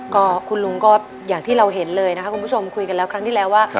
ก็คุณลุงก็อย่างที่เราเห็นเลยนะคะคุณผู้ชมคุยกันแล้วครั้งที่แล้วว่า